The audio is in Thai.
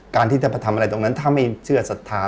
การที่จะไปทำอะไรตรงนั้นถ้าไม่เชื่อศรัทธา